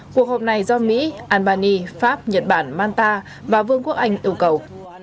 cuộc hợp này do mỹ albany pháp nhật bản manta và vương quốc anh ưu cầu